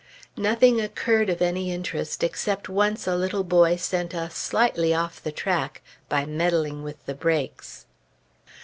Nothing occurred of any interest except once a little boy sent us slightly off the track, by meddling with the brakes.